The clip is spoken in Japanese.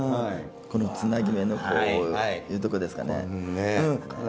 このつなぎ目のこういうとこですかね。